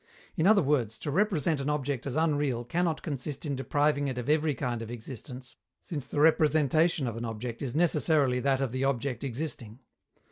In other words, to represent an object as unreal cannot consist in depriving it of every kind of existence, since the representation of an object is necessarily that of the object existing.